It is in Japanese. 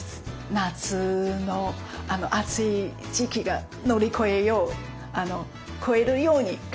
夏の暑い時期が乗り越えよう越えるように頑張って頂きたいです。